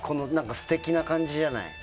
素敵な感じじゃない？